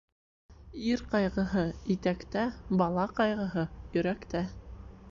Ир ҡайғыһы итәктә, бала ҡайғыһы йөрәктә.